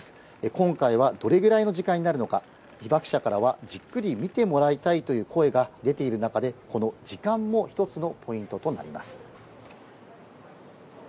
今回はどれくらいの時間になるのか、被爆者からはじっくり見てもらいたいという声が出ている中で、この時間も１つのポイントとなります。